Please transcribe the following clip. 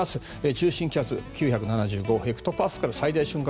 中心気圧９７５ヘクトパスカル最大瞬間